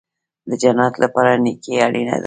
د جنت لپاره نیکي اړین ده